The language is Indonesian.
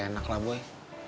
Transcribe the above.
kagak enak lah boy